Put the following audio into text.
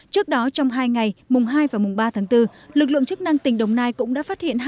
trước đó trong hai ngày mùng hai và mùng ba tháng bốn lực lượng chức năng tỉnh đồng nai cũng đã phát hiện